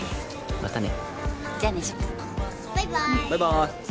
またね！